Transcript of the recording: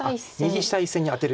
右下１線にアテる。